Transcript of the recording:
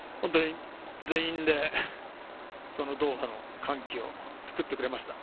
全員でドーハの歓喜を作ってくれました。